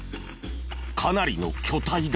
かなりの巨体だ。